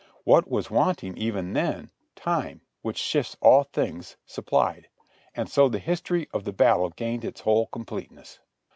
What was wanting even then, time, which sifts all things, supplied ; and so the history of the battle gained its whole completeness.